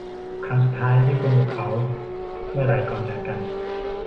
ครั้งสุดท้ายที่คุณกับเขาเมื่อไหร่ก่อนจากกัน